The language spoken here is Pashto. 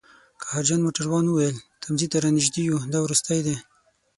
قهرجن موټروان وویل: تمځي ته رانژدي یوو، دا وروستی دی